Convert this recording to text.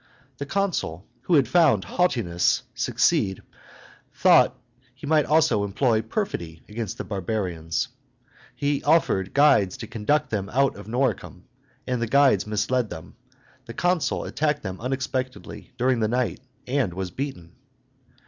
The consul, who had found haughtiness succeed, thought he might also employ perfidy against the barbarians. He offered guides to conduct them out of Noricum; and the guides misled them. The consul attacked them unexpectedly during the night, and was beaten.